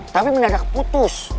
tapi beneran keputus